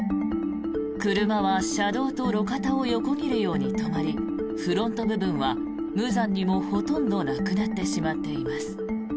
車は車道と路肩を横切るように止まりフロント部分は無残にもほとんどなくなってしまっています。